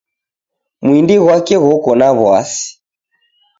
Mwindi ghwake ghoko na wasi